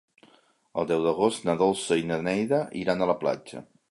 El deu d'agost na Dolça i na Neida iran a la platja.